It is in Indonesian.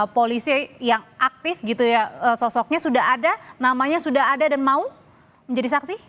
polisi yang aktif gitu ya sosoknya sudah ada namanya sudah ada dan mau menjadi saksi